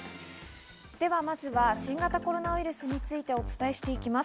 ではまずは新型コロナウイルスについてお伝えしていきます。